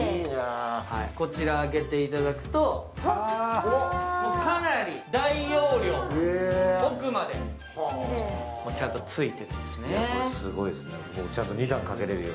こちら開けていただくと、かなり大容量、奥まで、ちゃんとついてるんですね